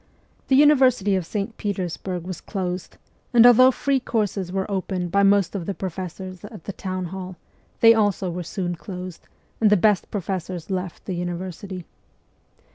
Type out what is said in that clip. The university of St. Petersburg was closed, and although free courses were opened by most of the professors at the Town Hall, they also were soon closed, and the best professors left the university.